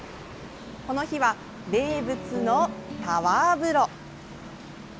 この日は名物の「タワー風呂」。